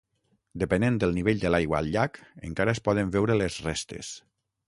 Depenent del nivell de l'aigua al llac, encara es poden veure les restes.